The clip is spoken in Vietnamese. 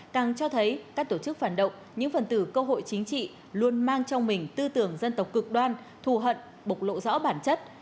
càng cho thấy các tổ chức phản động những phần tử cơ hội chính trị luôn mang trong mình tư tưởng dân tộc cực đoan thù hận bộc lộ rõ bản chất